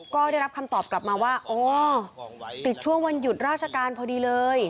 ก็ได้รับคำตอบกลับมาว่าอ๋อติดช่วงวันหยุดราชการพอดีเลย